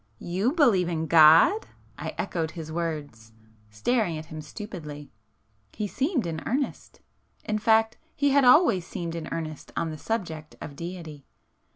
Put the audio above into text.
"You believe in God!" I echoed his words, staring at him stupidly. He seemed in earnest. In fact he had always [p 440] seemed in earnest on the subject of Deity.